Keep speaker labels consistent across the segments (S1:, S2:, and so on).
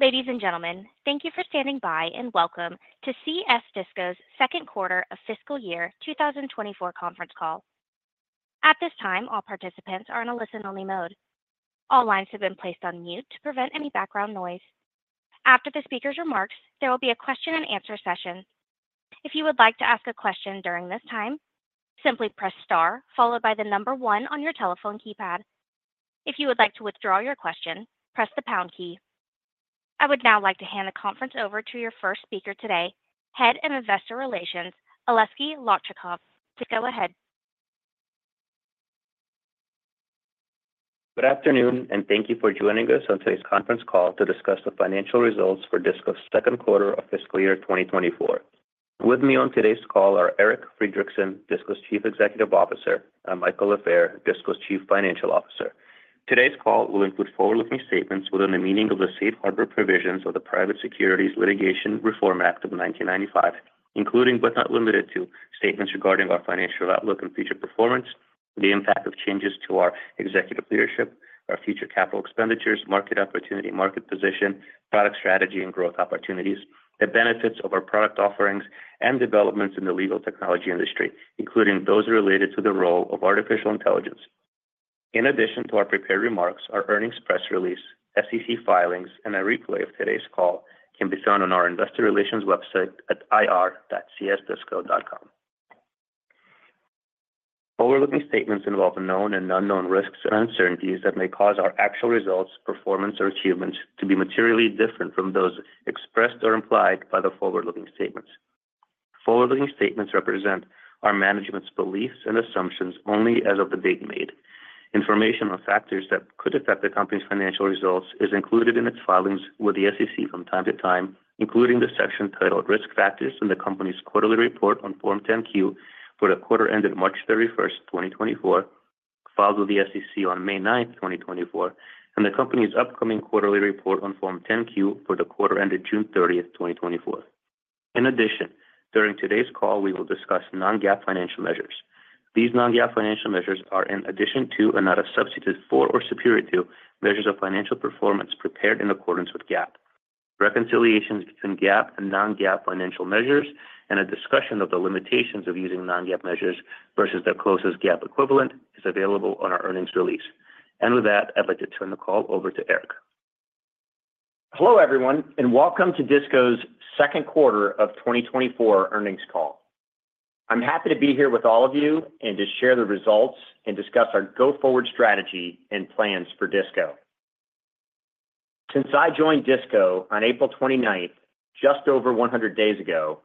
S1: Ladies and gentlemen, thank you for standing by, and welcome to CS Disco's Second Quarter of Fiscal Year 2024 Conference Call. At this time, all participants are in a listen-only mode. All lines have been placed on mute to prevent any background noise. After the speaker's remarks, there will be a question and answer session. If you would like to ask a question during this time, simply press star followed by the number one on your telephone keypad. If you would like to withdraw your question, press the pound key. I would now like to hand the conference over to your first speaker today, Head of Investor Relations, Aleksey Lakchakov, to go ahead.
S2: Good afternoon, and thank you for joining us on today's conference call to discuss the financial results for DISCO's second quarter of fiscal year 2024. With me on today's call are Eric Friedrichsen, DISCO's Chief Executive Officer, and Michael Lafair, DISCO's Chief Financial Officer. Today's call will include forward-looking statements within the meaning of the Safe Harbor Provisions of the Private Securities Litigation Reform Act of 1995, including but not limited to, statements regarding our financial outlook and future performance, the impact of changes to our executive leadership, our future capital expenditures, market opportunity, market position, product strategy, and growth opportunities, the benefits of our product offerings, and developments in the legal technology industry, including those related to the role of artificial intelligence. In addition to our prepared remarks, our earnings press release, SEC filings, and a replay of today's call can be found on our investor relations website at ir.csdisco.com. Forward-looking statements involve known and unknown risks and uncertainties that may cause our actual results, performance, or achievements to be materially different from those expressed or implied by the forward-looking statements. Forward-looking statements represent our management's beliefs and assumptions only as of the date made. Information on factors that could affect the company's financial results is included in its filings with the SEC from time to time, including the section titled "Risk Factors" in the company's quarterly report on Form 10-Q for the quarter ended March 31st, 2024, filed with the SEC on May 9, 2024, and the company's upcoming quarterly report on Form 10-Q for the quarter ended June 30, 2024. In addition, during today's call, we will discuss non-GAAP financial measures. These non-GAAP financial measures are in addition to, and not a substitute for or superior to, measures of financial performance prepared in accordance with GAAP. Reconciliations between GAAP and non-GAAP financial measures and a discussion of the limitations of using non-GAAP measures versus their closest GAAP equivalent is available on our earnings release. With that, I'd like to turn the call over to Eric.
S3: Hello, everyone, and welcome to DISCO's second quarter of 2024 earnings call. I'm happy to be here with all of you and to share the results and discuss our go-forward strategy and plans for DISCO. Since I joined DISCO on April 29th, just over 100 days ago,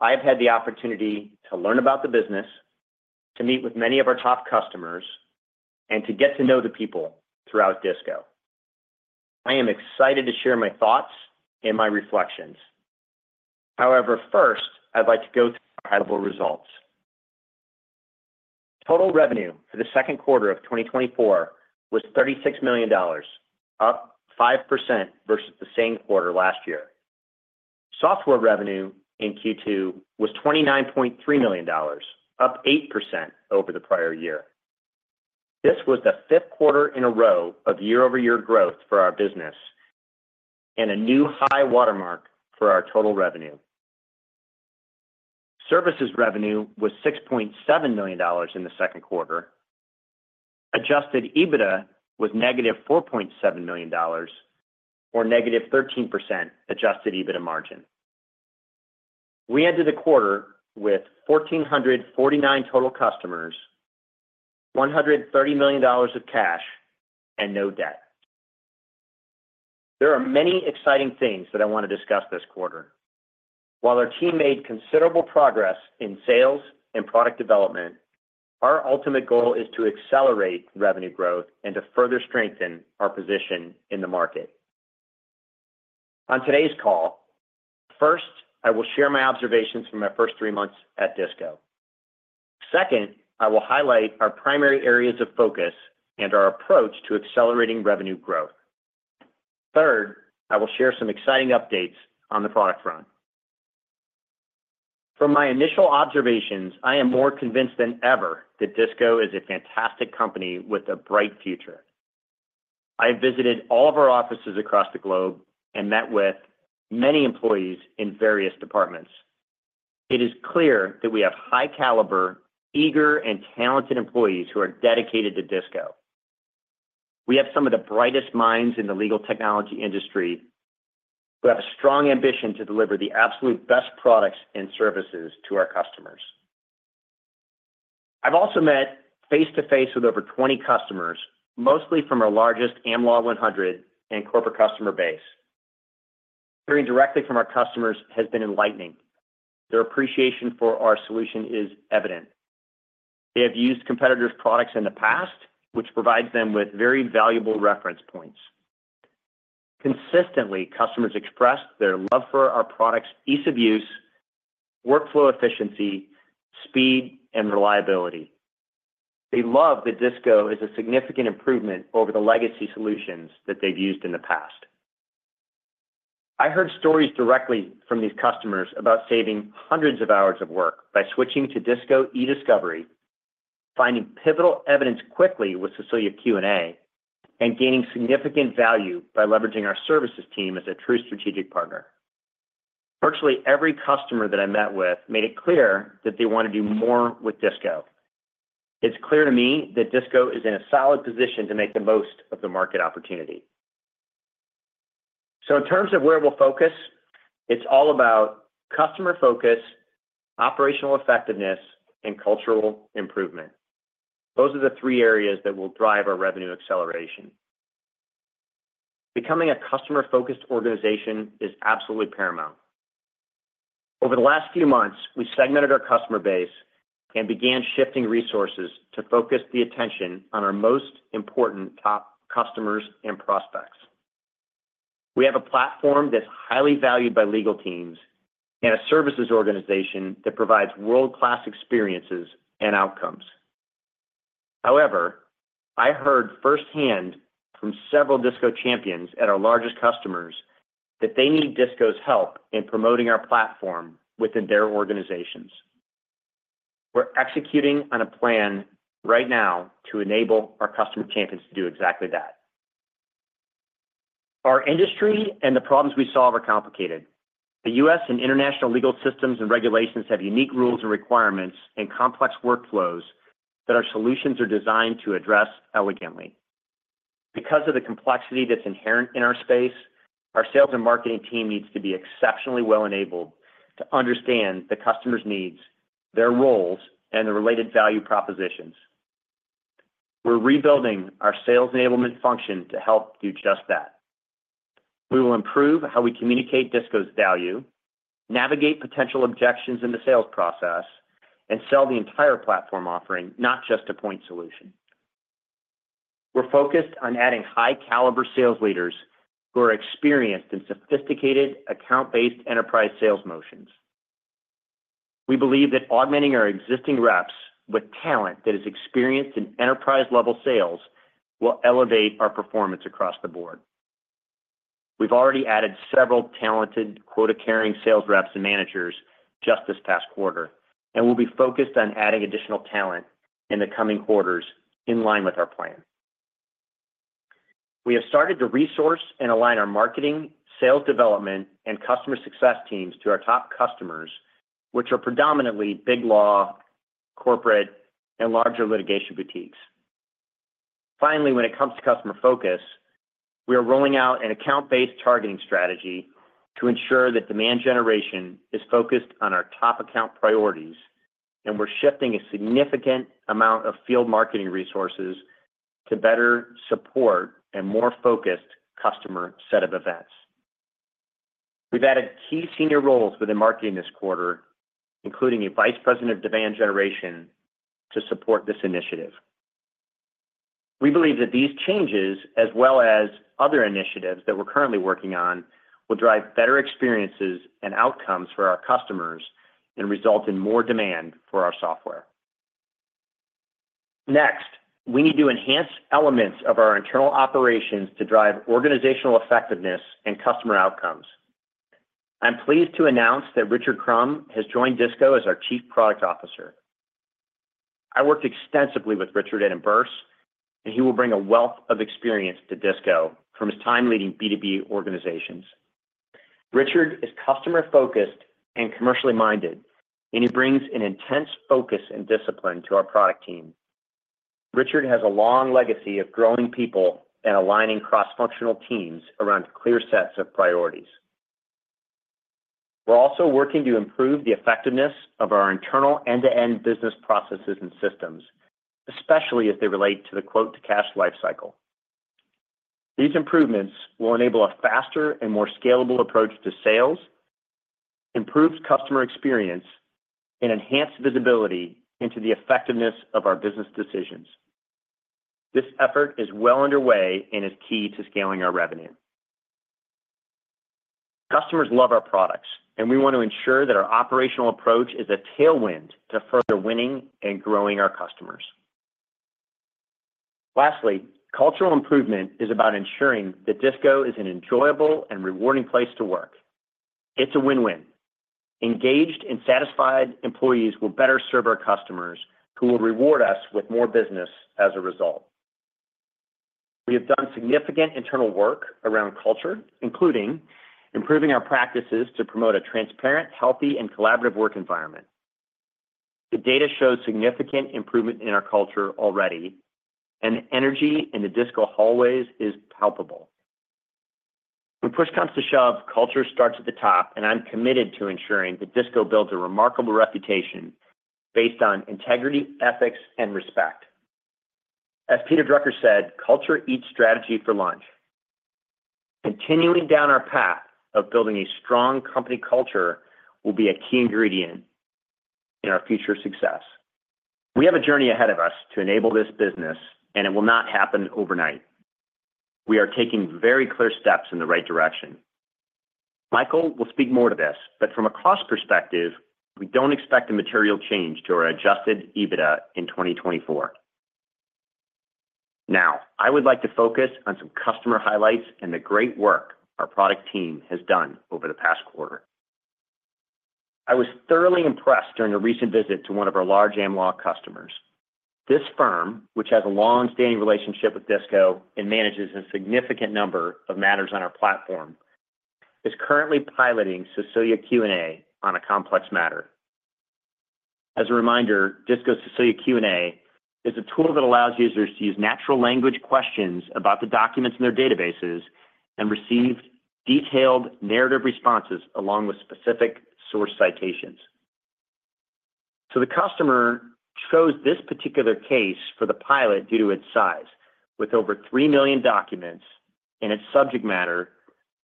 S3: I have had the opportunity to learn about the business, to meet with many of our top customers, and to get to know the people throughout DISCO. I am excited to share my thoughts and my reflections. However, first, I'd like to go through our results. Total revenue for the second quarter of 2024 was $36 million, up 5% versus the same quarter last year. Software revenue in Q2 was $29.3 million, up 8% over the prior year. This was the 5th quarter in a row of year-over-year growth for our business and a new high watermark for our total revenue. Services revenue was $6.7 million in the second quarter. Adjusted EBITDA was -$4.7 million, or -13% adjusted EBITDA margin. We ended the quarter with 1,449 total customers, $130 million of cash, and no debt. There are many exciting things that I want to discuss this quarter. While our team made considerable progress in sales and product development, our ultimate goal is to accelerate revenue growth and to further strengthen our position in the market. On today's call, first, I will share my observations from my first three months at DISCO. Second, I will highlight our primary areas of focus and our approach to accelerating revenue growth. Third, I will share some exciting updates on the product front. From my initial observations, I am more convinced than ever that DISCO is a fantastic company with a bright future. I have visited all of our offices across the globe and met with many employees in various departments. It is clear that we have high-caliber, eager, and talented employees who are dedicated to DISCO. We have some of the brightest minds in the legal technology industry. We have a strong ambition to deliver the absolute best products and services to our customers. I've also met face-to-face with over 20 customers, mostly from our largest Am Law 100 and corporate customer base. Hearing directly from our customers has been enlightening. Their appreciation for our solution is evident. They have used competitors' products in the past, which provides them with very valuable reference points. Consistently, customers express their love for our products, ease of use, workflow efficiency, speed, and reliability. They love that DISCO is a significant improvement over the legacy solutions that they've used in the past. I heard stories directly from these customers about saving hundreds of hours of work by switching to DISCO eDiscovery, finding pivotal evidence quickly with Cecilia Q&A, and gaining significant value by leveraging our services team as a true strategic partner. Virtually every customer that I met with made it clear that they want to do more with DISCO. It's clear to me that DISCO is in a solid position to make the most of the market opportunity. In terms of where we'll focus, it's all about customer focus, operational effectiveness, and cultural improvement. Those are the three areas that will drive our revenue acceleration. Becoming a customer-focused organization is absolutely paramount. Over the last few months, we segmented our customer base and began shifting resources to focus the attention on our most important top customers and prospects. We have a platform that's highly valued by legal teams and a services organization that provides world-class experiences and outcomes. However, I heard firsthand from several DISCO champions at our largest customers that they need DISCO's help in promoting our platform within their organizations. We're executing on a plan right now to enable our customer champions to do exactly that. Our industry and the problems we solve are complicated. The U.S. and international legal systems and regulations have unique rules and requirements and complex workflows that our solutions are designed to address elegantly. Because of the complexity that's inherent in our space, our sales and marketing team needs to be exceptionally well-enabled to understand the customer's needs, their roles, and the related value propositions. We're rebuilding our sales enablement function to help do just that. We will improve how we communicate DISCO's value, navigate potential objections in the sales process, and sell the entire platform offering, not just a point solution. We're focused on adding high caliber sales leaders who are experienced in sophisticated account-based enterprise sales motions. We believe that augmenting our existing reps with talent that is experienced in enterprise-level sales will elevate our performance across the board. We've already added several talented quota-carrying sales reps and managers just this past quarter, and we'll be focused on adding additional talent in the coming quarters in line with our plan. We have started to resource and align our marketing, sales development, and customer success teams to our top customers, which are predominantly Big Law, corporate, and larger litigation boutiques. Finally, when it comes to customer focus, we are rolling out an account-based targeting strategy to ensure that demand generation is focused on our top account priorities, and we're shifting a significant amount of field marketing resources to better support a more focused customer set of events. We've added key senior roles within marketing this quarter, including a Vice President of Demand Generation, to support this initiative. We believe that these changes, as well as other initiatives that we're currently working on, will drive better experiences and outcomes for our customers and result in more demand for our software. Next, we need to enhance elements of our internal operations to drive organizational effectiveness and customer outcomes. I'm pleased to announce that Richard Crum has joined DISCO as our Chief Product Officer. I worked extensively with Richard at Emburse, and he will bring a wealth of experience to DISCO from his time leading B2B organizations. Richard is customer-focused and commercially minded, and he brings an intense focus and discipline to our product team. Richard has a long legacy of growing people and aligning cross-functional teams around clear sets of priorities. We're also working to improve the effectiveness of our internal end-to-end business processes and systems, especially as they relate to the Quote-to-Cash life cycle. These improvements will enable a faster and more scalable approach to sales, improved customer experience, and enhanced visibility into the effectiveness of our business decisions. This effort is well underway and is key to scaling our revenue. Customers love our products, and we want to ensure that our operational approach is a tailwind to further winning and growing our customers. Lastly, cultural improvement is about ensuring that DISCO is an enjoyable and rewarding place to work. It's a win-win. Engaged and satisfied employees will better serve our customers, who will reward us with more business as a result. We have done significant internal work around culture, including improving our practices to promote a transparent, healthy, and collaborative work environment. The data shows significant improvement in our culture already, and energy in the DISCO hallways is palpable. When push comes to shove, culture starts at the top, and I'm committed to ensuring that DISCO builds a remarkable reputation based on integrity, ethics, and respect. As Peter Drucker said, "Culture eats strategy for lunch." Continuing down our path of building a strong company culture will be a key ingredient in our future success. We have a journey ahead of us to enable this business, and it will not happen overnight. We are taking very clear steps in the right direction. Michael will speak more to this, but from a cost perspective, we don't expect a material change to our Adjusted EBITDA in 2024. Now, I would like to focus on some customer highlights and the great work our product team has done over the past quarter. I was thoroughly impressed during a recent visit to one of our large Am Law customers. This firm, which has a long-standing relationship with DISCO and manages a significant number of matters on our platform, is currently piloting Cecilia Q&A on a complex matter. As a reminder, DISCO Cecilia Q&A is a tool that allows users to use natural language questions about the documents in their databases and receive detailed narrative responses, along with specific source citations. So the customer chose this particular case for the pilot due to its size, with over 3 million documents, and its subject matter,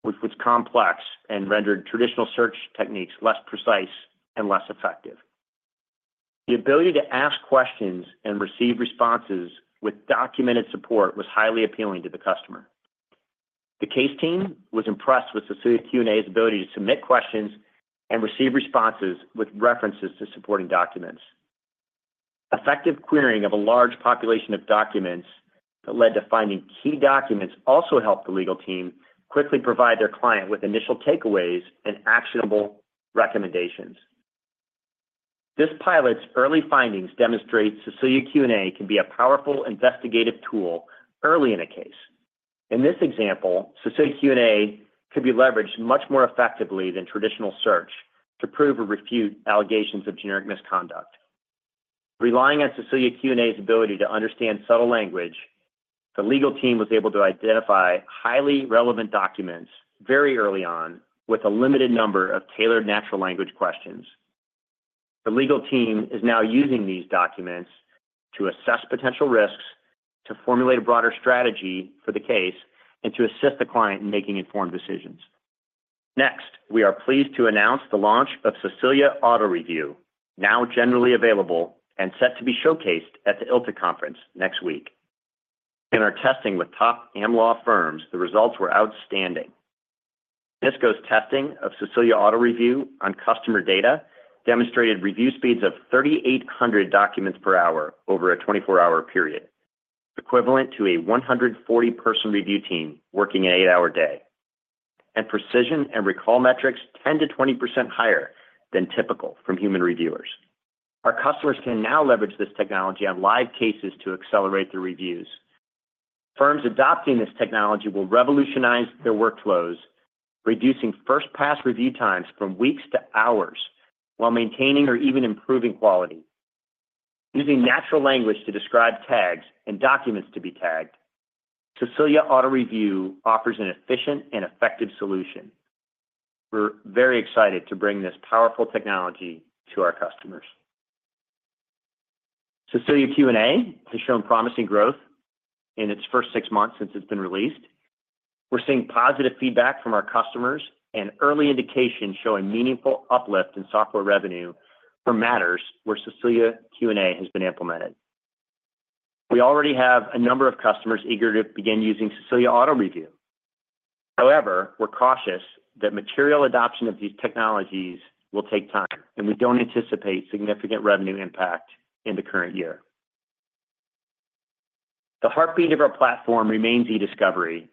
S3: which was complex and rendered traditional search techniques less precise and less effective. The ability to ask questions and receive responses with documented support was highly appealing to the customer. The case team was impressed with Cecilia Q&A's ability to submit questions and receive responses with references to supporting documents. Effective querying of a large population of documents that led to finding key documents also helped the legal team quickly provide their client with initial takeaways and actionable recommendations. This pilot's early findings demonstrate Cecilia Q&A can be a powerful investigative tool early in a case. In this example, Cecilia Q&A could be leveraged much more effectively than traditional search to prove or refute allegations of generic misconduct. Relying on Cecilia Q&A's ability to understand subtle language, the legal team was able to identify highly relevant documents very early on, with a limited number of tailored natural language questions. The legal team is now using these documents to assess potential risks, to formulate a broader strategy for the case, and to assist the client in making informed decisions. Next, we are pleased to announce the launch of Cecilia Auto Review, now generally available and set to be showcased at the ILTA Conference next week. In our testing with top Am Law firms, the results were outstanding. DISCO's testing of Cecilia Auto Review on customer data demonstrated review speeds of 3,800 documents per hour over a 24-hour period, equivalent to a 140-person review team working an 8-hour day, and precision and recall metrics 10%-20% higher than typical from human reviewers. Our customers can now leverage this technology on live cases to accelerate their reviews. Firms adopting this technology will revolutionize their workflows, reducing first pass review times from weeks to hours, while maintaining or even improving quality. Using natural language to describe tags and documents to be tagged, Cecilia Auto Review offers an efficient and effective solution. We're very excited to bring this powerful technology to our customers. Cecilia Q&A has shown promising growth in its first six months since it's been released. We're seeing positive feedback from our customers and early indications showing meaningful uplift in software revenue for matters where Cecilia Q&A has been implemented. We already have a number of customers eager to begin using Cecilia Auto Review. However, we're cautious that material adoption of these technologies will take time, and we don't anticipate significant revenue impact in the current year. The heartbeat of our platform remains eDiscovery.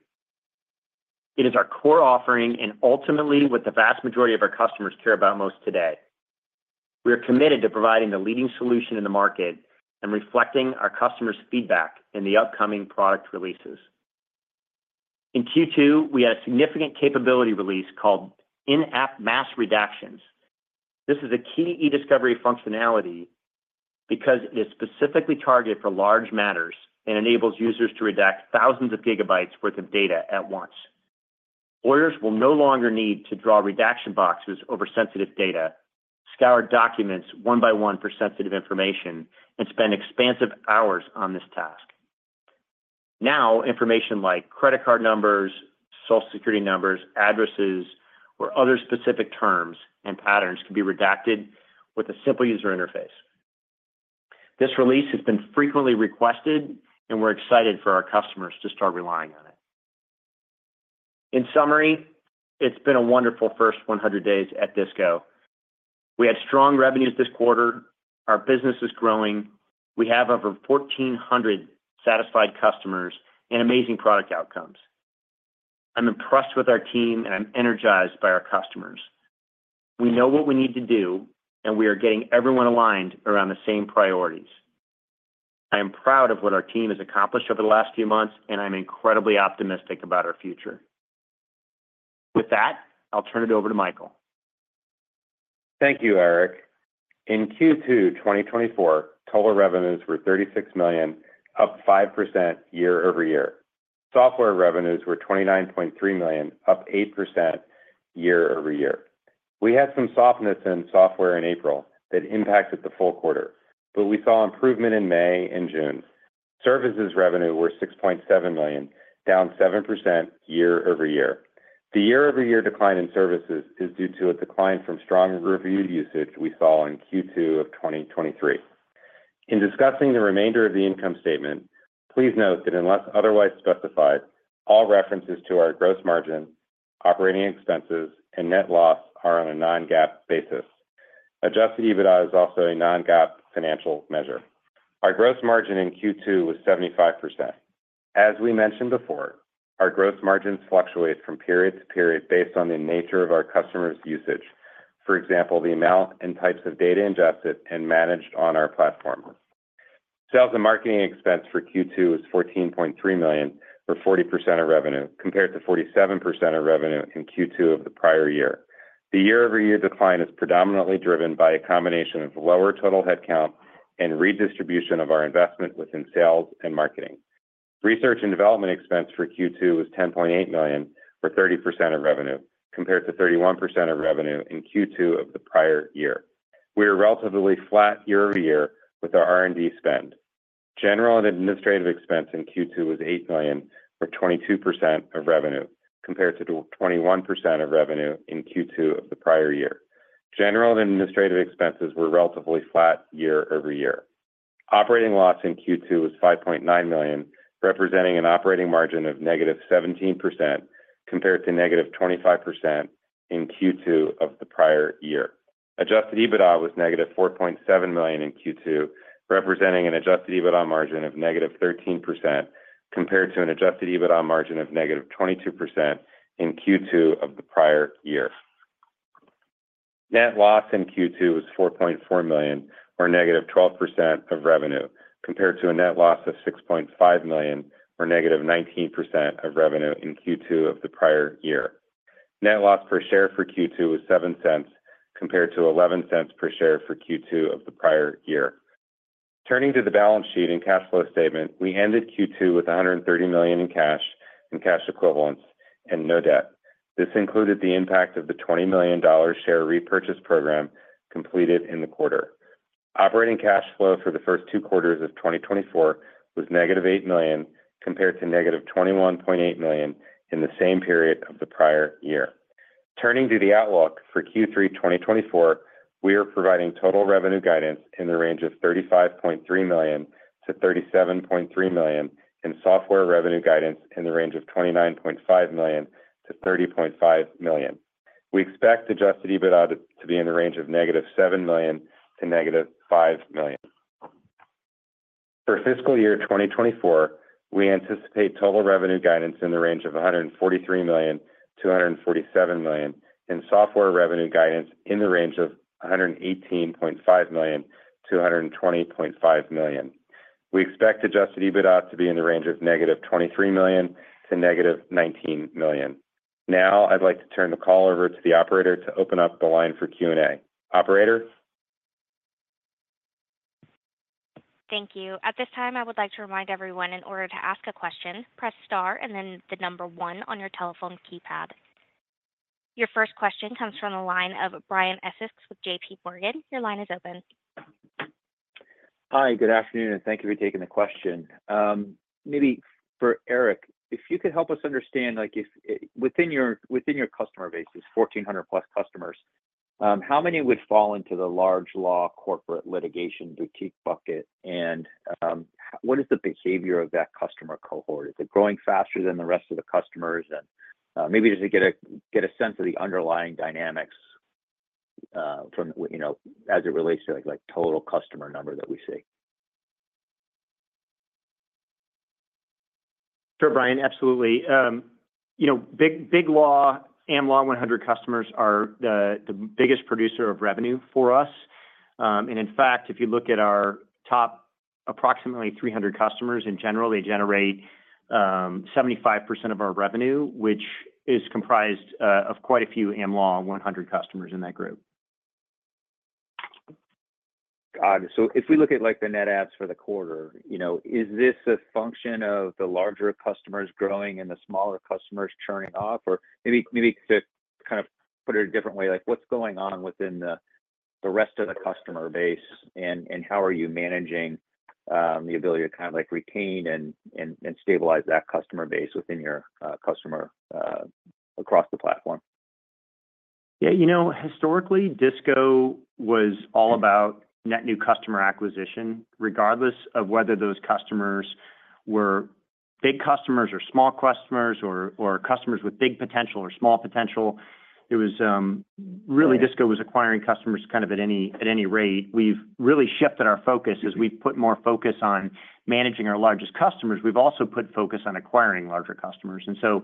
S3: It is our core offering and ultimately what the vast majority of our customers care about most today. We are committed to providing the leading solution in the market and reflecting our customers' feedback in the upcoming product releases. In Q2, we had a significant capability release called In-App Mass Redactions. This is a key eDiscovery functionality because it is specifically targeted for large matters and enables users to redact thousands of gigabytes worth of data at once. Lawyers will no longer need to draw redaction boxes over sensitive data, scour documents one by one for sensitive information, and spend extensive hours on this task. Now, information like credit card numbers, Social Security numbers, addresses, or other specific terms and patterns can be redacted with a simple user interface. This release has been frequently requested, and we're excited for our customers to start relying on it. In summary, it's been a wonderful first 100 days at DISCO. We had strong revenues this quarter. Our business is growing. We have over 1,400 satisfied customers and amazing product outcomes. I'm impressed with our team, and I'm energized by our customers. We know what we need to do, and we are getting everyone aligned around the same priorities. I am proud of what our team has accomplished over the last few months, and I'm incredibly optimistic about our future. With that, I'll turn it over to Michael.
S4: Thank you, Eric. In Q2 2024, total revenues were $36 million, up 5% year-over-year. Software revenues were $29.3 million, up 8% year-over-year. We had some softness in software in April that impacted the full quarter, but we saw improvement in May and June. Services revenue were $6.7 million, down 7% year-over-year. The year-over-year decline in services is due to a decline from strong review usage we saw in Q2 of 2023. In discussing the remainder of the income statement, please note that unless otherwise specified, all references to our gross margin, operating expenses, and net loss are on a non-GAAP basis. Adjusted EBITDA is also a non-GAAP financial measure. Our gross margin in Q2 was 75%. As we mentioned before, our gross margins fluctuate from period to period based on the nature of our customers' usage. For example, the amount and types of data ingested and managed on our platform. Sales and marketing expense for Q2 was $14.3 million, or 40% of revenue, compared to 47% of revenue in Q2 of the prior year. The year-over-year decline is predominantly driven by a combination of lower total headcount and redistribution of our investment within sales and marketing. Research and development expense for Q2 was $10.8 million, or 30% of revenue, compared to 31% of revenue in Q2 of the prior year. We are relatively flat year over year with our R&D spend. General and administrative expense in Q2 was $8 million, or 22% of revenue, compared to twenty-one percent of revenue in Q2 of the prior year. General and administrative expenses were relatively flat year over year. Operating loss in Q2 was $5.9 million, representing an operating margin of -17%, compared to -25% in Q2 of the prior year. Adjusted EBITDA was -$4.7 million in Q2, representing an adjusted EBITDA margin of -13%, compared to an adjusted EBITDA margin of -22% in Q2 of the prior year. Net loss in Q2 was $4.4 million, or -12% of revenue, compared to a net loss of $6.5 million, or -19% of revenue in Q2 of the prior year. Net loss per share for Q2 was $0.07, compared to $0.11 per share for Q2 of the prior year. Turning to the balance sheet and cash flow statement, we ended Q2 with $130 million in cash and cash equivalents and no debt. This included the impact of the $20 million share repurchase program completed in the quarter. Operating cash flow for the first two quarters of 2024 was -$8 million, compared to -$21.8 million in the same period of the prior year. Turning to the outlook for Q3 2024, we are providing total revenue guidance in the range of $35.3 million-$37.3 million, and software revenue guidance in the range of $29.5 million-$30.5 million. We expect Adjusted EBITDA to be in the range of -$7 million-$5 million. For fiscal year 2024, we anticipate total revenue guidance in the range of $143 million-$147 million, and software revenue guidance in the range of $118.5 million-$120.5 million. We expect Adjusted EBITDA to be in the range of -$23 million-$19 million. Now, I'd like to turn the call over to the operator to open up the line for Q&A. Operator?
S1: Thank you. At this time, I would like to remind everyone, in order to ask a question, press star and then the number one on your telephone keypad. Your first question comes from the line of Brian Essex with JP Morgan. Your line is open.
S5: Hi, good afternoon, and thank you for taking the question. Maybe for Eric, if you could help us understand, like, if within your customer base, this 1400+ customers, how many would fall into the large law corporate litigation boutique bucket? And what is the behavior of that customer cohort? Is it growing faster than the rest of the customers? And maybe just to get a sense of the underlying dynamics, from you know, as it relates to, like, total customer number that we see.
S3: Sure, Brian, absolutely. You know, Big Law, Am Law 100 customers are the biggest producer of revenue for us. And in fact, if you look at our top approximately 300 customers, in general, they generate 75% of our revenue, which is comprised of quite a few Am Law 100 customers in that group.
S5: Got it. So if we look at, like, the net adds for the quarter, you know, is this a function of the larger customers growing and the smaller customers churning off? Or maybe to kind of put it a different way, like, what's going on within the rest of the customer base, and how are you managing the ability to kind of, like, retain and stabilize that customer base within your customer across the platform?
S3: Yeah, you know, historically, DISCO was all about net new customer acquisition, regardless of whether those customers were big customers or small customers or, or customers with big potential or small potential. It was really DISCO was acquiring customers kind of at any, at any rate. We've really shifted our focus. As we've put more focus on managing our largest customers, we've also put focus on acquiring larger customers. And so,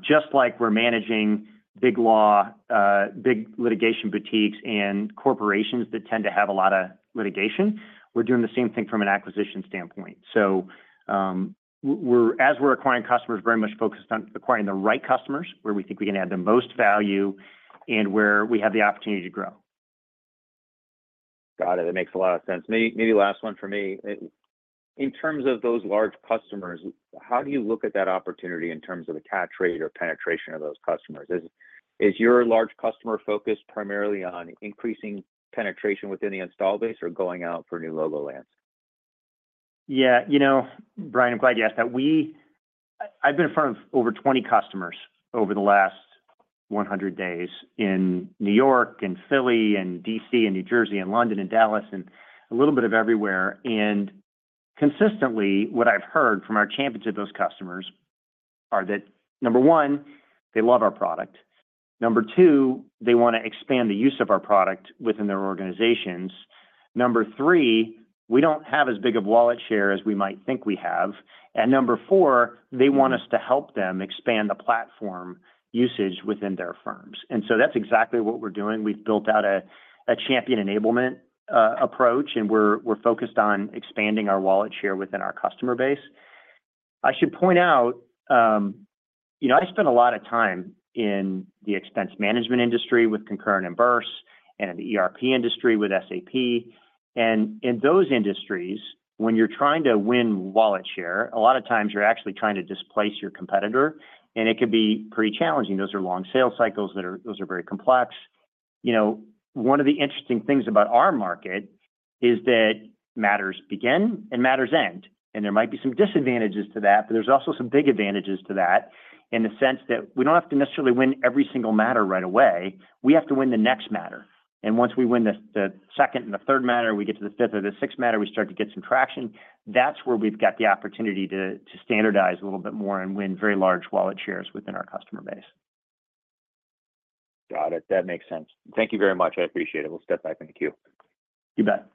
S3: just like we're managing Big Law, big litigation boutiques and corporations that tend to have a lot of litigation, we're doing the same thing from an acquisition standpoint. So, as we're acquiring customers, very much focused on acquiring the right customers, where we think we can add the most value and where we have the opportunity to grow.
S5: Got it. That makes a lot of sense. Maybe, maybe last one for me. In terms of those large customers, how do you look at that opportunity in terms of the catch rate or penetration of those customers? Is, is your large customer focused primarily on increasing penetration within the install base or going out for new logo lands?
S3: Yeah, you know, Brian, I'm glad you asked that. I've been in front of over 20 customers over the last 100 days in New York and Philly and D.C. and New Jersey and London and Dallas, and a little bit of everywhere, and consistently, what I've heard from our champions of those customers are that, number one, they love our product. Number two, they wanna expand the use of our product within their organizations. Number three, we don't have as big of wallet share as we might think we have. And number four, they want us to help them expand the platform usage within their firms. And so that's exactly what we're doing. We've built out a champion enablement approach, and we're focused on expanding our wallet share within our customer base. I should point out, you know, I spent a lot of time in the expense management industry with Concur and Emburse, and in the ERP industry with SAP. And in those industries, when you're trying to win wallet share, a lot of times you're actually trying to displace your competitor, and it can be pretty challenging. Those are long sales cycles that are very complex. You know, one of the interesting things about our market is that matters begin and matters end, and there might be some disadvantages to that, but there's also some big advantages to that, in the sense that we don't have to necessarily win every single matter right away. We have to win the next matter. And once we win the second and the third matter, we get to the fifth or the sixth matter, we start to get some traction. That's where we've got the opportunity to standardize a little bit more and win very large wallet shares within our customer base.
S5: Got it. That makes sense. Thank you very much. I appreciate it. We'll step back in the queue.
S3: You bet.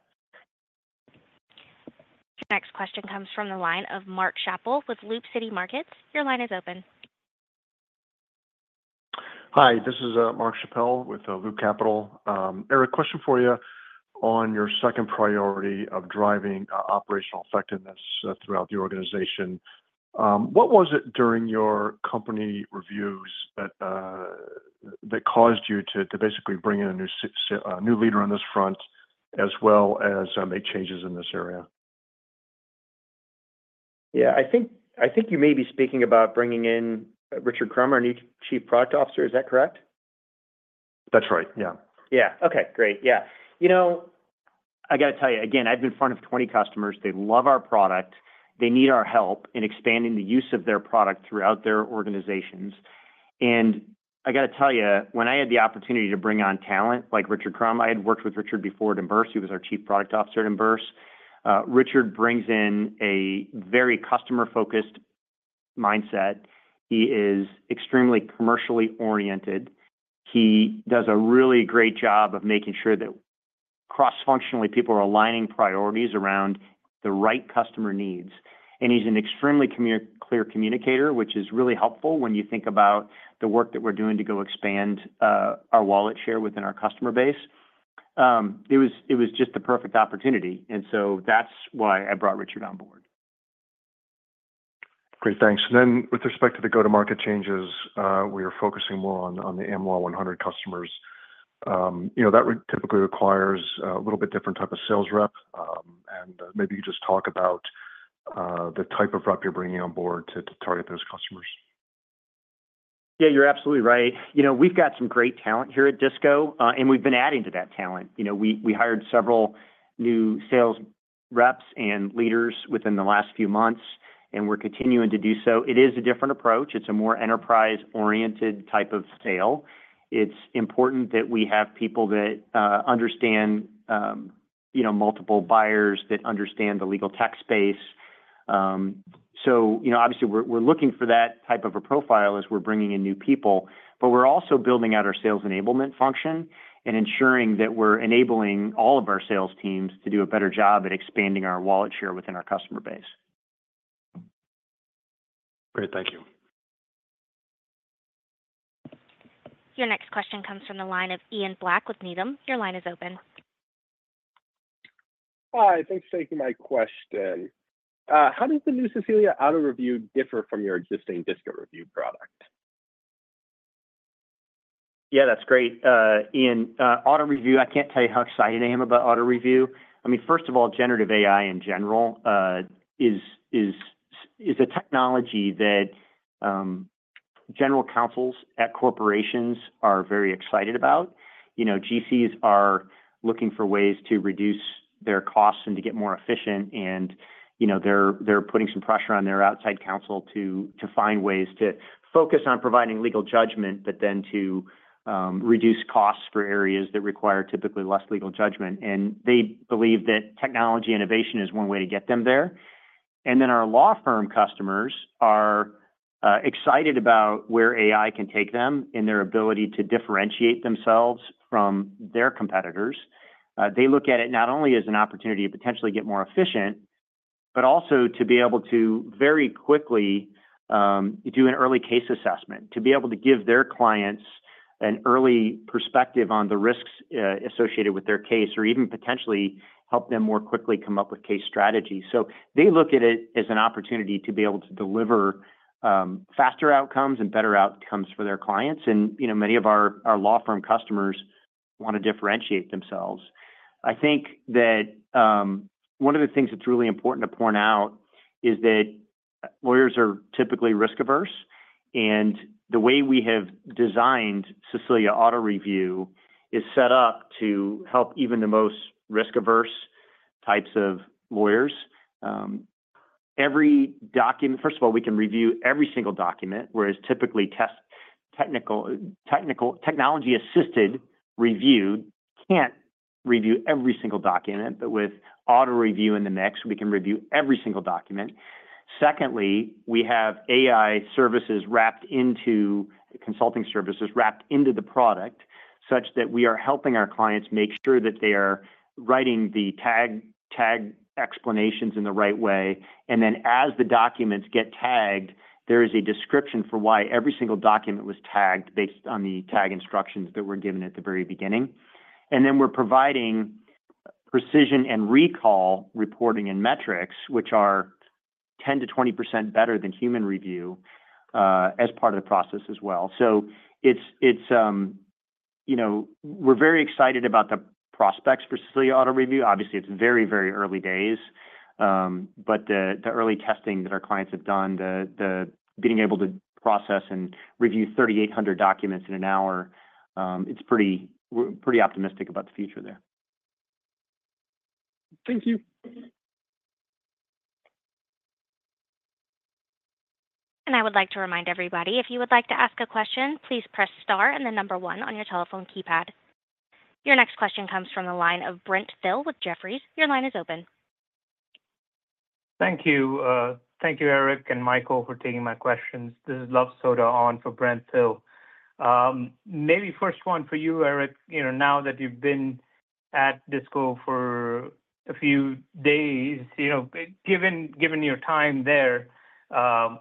S1: Next question comes from the line of Mark Schappel with Loop Capital Markets. Your line is open.
S6: Hi, this is Mark Schappel with Loop Capital. Eric, question for you on your second priority of driving operational effectiveness throughout the organization. What was it during your company reviews that caused you to basically bring in a new leader on this front, as well as make changes in this area?
S3: Yeah, I think, I think you may be speaking about bringing in Richard Crum, our new Chief Product Officer. Is that correct?
S6: That's right. Yeah.
S3: Yeah. Okay, great. Yeah. You know, I gotta tell you, again, I've been in front of 20 customers. They love our product. They need our help in expanding the use of their product throughout their organizations. And I gotta tell you, when I had the opportunity to bring on talent like Richard Crum, I had worked with Richard before at Emburse. He was our Chief Product Officer at Emburse. Richard brings in a very customer-focused mindset. He is extremely commercially oriented. He does a really great job of making sure that cross-functionally, people are aligning priorities around the right customer needs. And he's an extremely clear communicator, which is really helpful when you think about the work that we're doing to go expand our wallet share within our customer base. It was just the perfect opportunity, and so that's why I brought Richard on board.
S6: Great, thanks. Then with respect to the go-to-market changes, we are focusing more on the Am Law 100 customers. You know, that would typically requires a little bit different type of sales rep. And maybe you just talk about the type of rep you're bringing on board to target those customers.
S3: Yeah, you're absolutely right. You know, we've got some great talent here at DISCO, and we've been adding to that talent. You know, we, we hired several new sales reps and leaders within the last few months, and we're continuing to do so. It is a different approach. It's a more enterprise-oriented type of sale. It's important that we have people that understand, you know, multiple buyers, that understand the legal tech space. So, you know, obviously, we're, we're looking for that type of a profile as we're bringing in new people, but we're also building out our sales enablement function and ensuring that we're enabling all of our sales teams to do a better job at expanding our wallet share within our customer base.
S6: Great, thank you.
S1: Your next question comes from the line of Ian Black with Needham. Your line is open.
S7: Hi, thanks for taking my question. How does the new Cecilia Auto Review differ from your existing DISCO Review product?
S3: Yeah, that's great. Ian, Auto Review, I can't tell you how excited I am about Auto Review. I mean, first of all, generative AI, in general, is a technology that general counsels at corporations are very excited about. You know, GCs are looking for ways to reduce their costs and to get more efficient, and, you know, they're putting some pressure on their outside counsel to find ways to focus on providing legal judgment, but then to reduce costs for areas that require typically less legal judgment. And they believe that technology innovation is one way to get them there. And then our law firm customers are excited about where AI can take them and their ability to differentiate themselves from their competitors. They look at it not only as an opportunity to potentially get more efficient, but also to be able to very quickly do an early case assessment, to be able to give their clients an early perspective on the risks associated with their case, or even potentially help them more quickly come up with case strategy. So they look at it as an opportunity to be able to deliver faster outcomes and better outcomes for their clients. And, you know, many of our law firm customers wanna differentiate themselves. I think that one of the things that's really important to point out is that lawyers are typically risk-averse, and the way we have designed Cecilia Auto Review is set up to help even the most risk-averse types of lawyers. Every document. First of all, we can review every single document, whereas typically test-... Technology-assisted review can't review every single document, but with auto review in the mix, we can review every single document. Secondly, we have AI services wrapped into consulting services, wrapped into the product, such that we are helping our clients make sure that they are writing the tag explanations in the right way, and then as the documents get tagged, there is a description for why every single document was tagged based on the tag instructions that were given at the very beginning. And then we're providing precision and recall reporting and metrics, which are 10%-20% better than human review, as part of the process as well. So, you know, we're very excited about the prospects for Cecilia Auto Review. Obviously, it's very, very early days, but the early testing that our clients have done, being able to process and review 3,800 documents in an hour, we're pretty optimistic about the future there.
S7: Thank you.
S1: I would like to remind everybody, if you would like to ask a question, please press star and the number one on your telephone keypad. Your next question comes from the line of Brent Thill with Jefferies. Your line is open.
S8: Thank you. Thank you, Eric and Michael, for taking my questions. This is Luv Sodha on for Brent Thill. Maybe first one for you, Eric, you know, now that you've been at DISCO for a few days, you know, given, given your time there,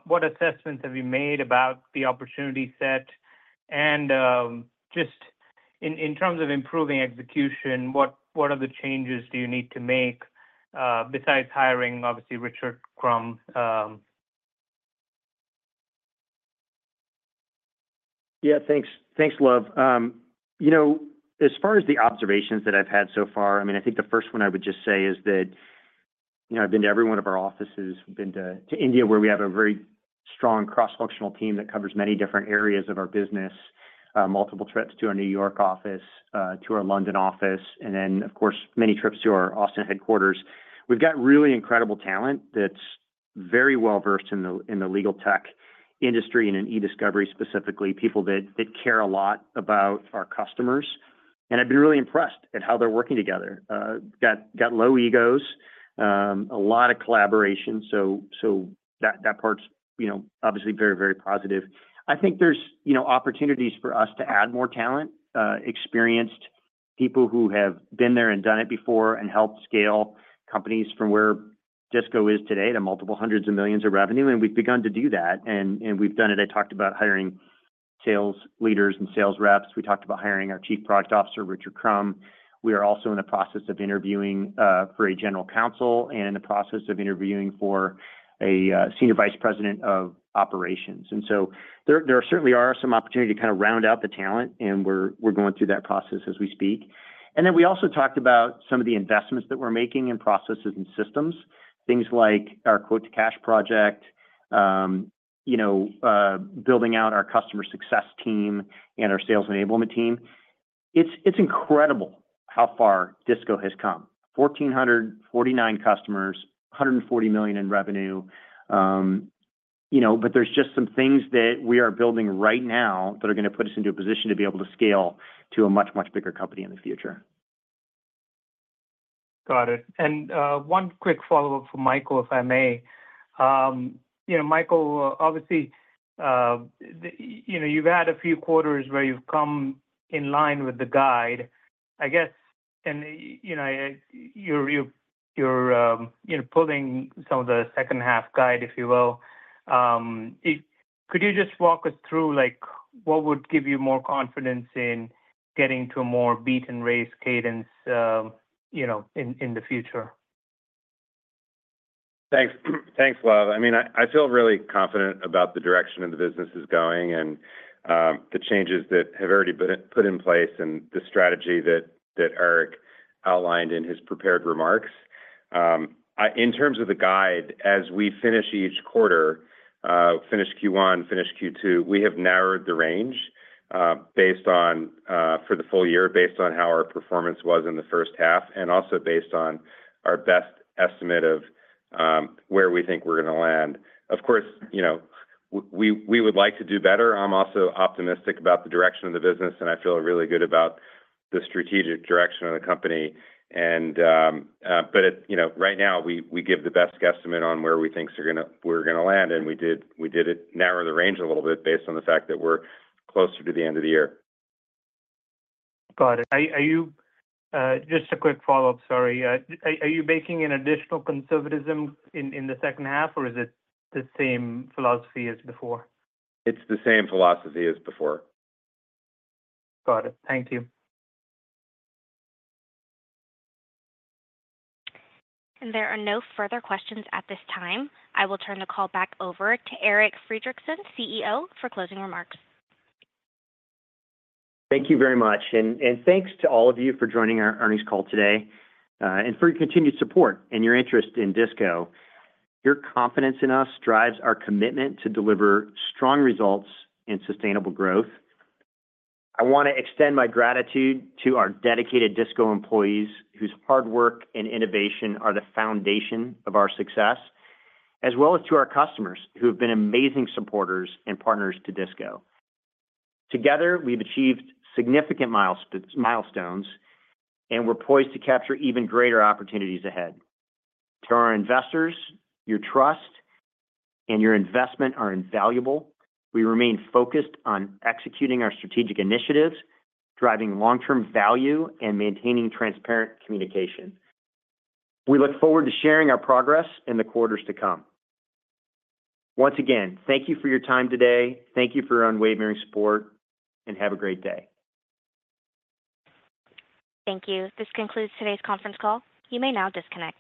S8: what assessments have you made about the opportunity set? And, just in, in terms of improving execution, what, what other changes do you need to make, uh, besides hiring, obviously, Richard Crum?
S3: Yeah, thanks. Thanks, Luv. You know, as far as the observations that I've had so far, I mean, I think the first one I would just say is that, you know, I've been to every one of our offices. Been to India, where we have a very strong cross-functional team that covers many different areas of our business, multiple trips to our New York office, to our London office, and then, of course, many trips to our Austin headquarters. We've got really incredible talent that's very well-versed in the legal tech industry and in e-discovery, specifically, people that care a lot about our customers, and I've been really impressed at how they're working together. Got low egos, a lot of collaboration. So that part's, you know, obviously very, very positive. I think there's, you know, opportunities for us to add more talent, experienced people who have been there and done it before and helped scale companies from where DISCO is today to multiple hundreds of millions of revenue, and we've begun to do that, and we've done it. I talked about hiring sales leaders and sales reps. We talked about hiring our Chief Product Officer, Richard Crum. We are also in the process of interviewing for a general counsel and in the process of interviewing for a senior vice president of operations. And so there certainly are some opportunity to kind of round out the talent, and we're going through that process as we speak. And then we also talked about some of the investments that we're making in processes and systems, things like our Quote-to-Cash project, you know, building out our customer success team and our sales enablement team. It's, it's incredible how far DISCO has come. 1,449 customers, $140 million in revenue, you know, but there's just some things that we are building right now that are gonna put us into a position to be able to scale to a much, much bigger company in the future.
S8: Got it. And, one quick follow-up for Michael, if I may. You know, Michael, obviously, you know, you've had a few quarters where you've come in line with the guide, I guess, and, you know, you're pulling some of the second-half guide, if you will. Could you just walk us through, like, what would give you more confidence in getting to a more beat and raise cadence, you know, in the future?
S4: Thanks. Thanks, Luv. I mean, I feel really confident about the direction of the business is going and the changes that have already been put in place and the strategy that Eric outlined in his prepared remarks. In terms of the guide, as we finish each quarter, finish Q1, finish Q2, we have narrowed the range based on for the full year, based on how our performance was in the first half, and also based on our best estimate of where we think we're gonna land. Of course, you know, we would like to do better. I'm also optimistic about the direction of the business, and I feel really good about the strategic direction of the company. But you know, right now, we give the best guesstimate on where we think we're gonna land, and we did narrow the range a little bit based on the fact that we're closer to the end of the year.
S8: Got it. Are you just a quick follow-up, sorry. Are you making an additional conservatism in the second half, or is it the same philosophy as before?
S4: It's the same philosophy as before.
S8: Got it. Thank you.
S1: There are no further questions at this time. I will turn the call back over to Eric Friedrichsen, CEO, for closing remarks.
S3: Thank you very much. Thanks to all of you for joining our earnings call today, and for your continued support and your interest in DISCO. Your confidence in us drives our commitment to deliver strong results and sustainable growth. I wanna extend my gratitude to our dedicated DISCO employees, whose hard work and innovation are the foundation of our success, as well as to our customers, who have been amazing supporters and partners to DISCO. Together, we've achieved significant milestones, and we're poised to capture even greater opportunities ahead. To our investors, your trust and your investment are invaluable. We remain focused on executing our strategic initiatives, driving long-term value, and maintaining transparent communication. We look forward to sharing our progress in the quarters to come. Once again, thank you for your time today. Thank you for your unwavering support, and have a great day.
S1: Thank you. This concludes today's conference call. You may now disconnect.